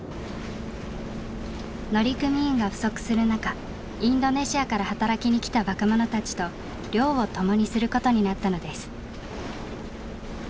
乗組員が不足する中インドネシアから働きに来た若者たちと漁を共にすることになったのです。